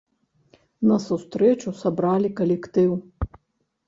На сустрэчу сабралі калектыў.